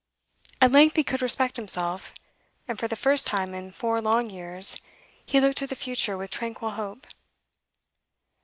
At length he could respect himself, and for the first time in four long years he looked to the future with tranquil hope.